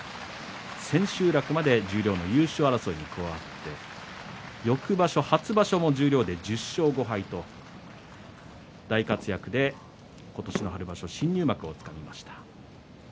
千秋楽まで十両の優勝争いに加わって翌場所、初場所の十両で１０勝５敗と大活躍で今年の春場所、新入幕をつかみました。